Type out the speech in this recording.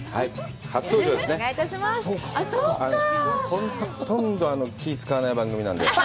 ほとんど気を使わない番組なので。